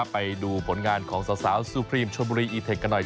ไปดูผลงานของสาวซูพรีมชนบุรีอีเทคกันหน่อย